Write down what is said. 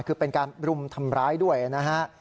คือเป็นการรุมทำร้ายด้วยนะฮะ